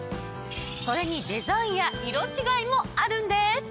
それにデザインや色違いもあるんです！